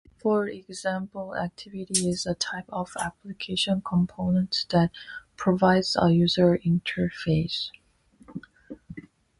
For example, activity is a type of application component that provides a user interface.